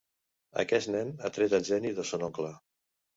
Aquest nen ha tret el geni de son oncle.